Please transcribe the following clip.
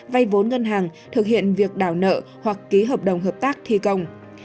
vay vốn ngân hàng thực hiện việc đào nợ hoặc ký hợp đồng hợp tác thi công